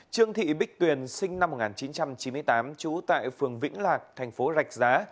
trương thị bích tuyền sinh năm một nghìn chín trăm chín mươi tám trú tại phường vĩnh lạc thành phố rạch giá